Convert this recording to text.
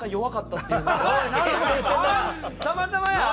たまたまや！